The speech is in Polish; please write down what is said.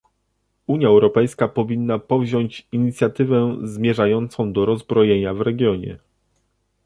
Unia Europejska powinna powziąć inicjatywę zmierzającą do rozbrojenia w regionie